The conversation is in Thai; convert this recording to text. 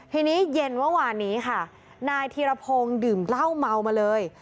ทีนี้เย็นเมื่อวานนี้ค่ะนายธีรพงศ์ดื่มเหล้าเมามาเลย